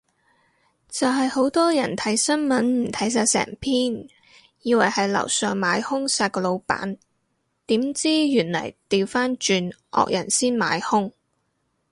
就係好多人睇新聞唔睇晒成篇，以為係樓上買兇殺個老闆，點知原來係掉返轉惡人先買兇